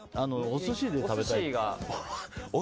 お寿司で食べたい？